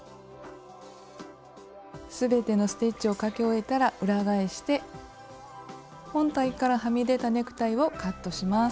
全てのステッチをかけ終えたら裏返して本体からはみ出たネクタイをカットします。